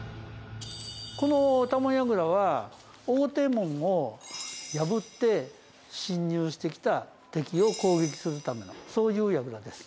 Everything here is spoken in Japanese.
この多聞櫓は大手門を破って侵入してきた敵を攻撃するためのそういう櫓です。